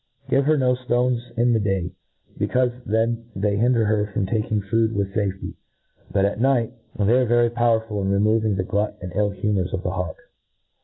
Give her no ftones in the day, becaufe then they hinder her from taking food with fafety, but at. nighti when they are very powerful in jremoiang the glut and ill Humours of the hawk.